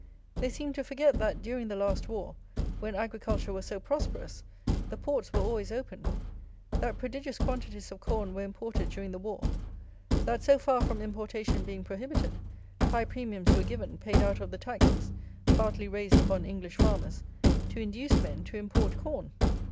They seem to forget, that, during the last war, when agriculture was so prosperous, the ports were always open; that prodigious quantities of corn were imported during the war; that, so far from importation being prohibited, high premiums were given, paid out of the taxes, partly raised upon English farmers, to induce men to import corn.